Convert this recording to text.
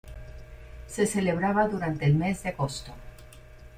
Se celebraba durante el mes de agosto.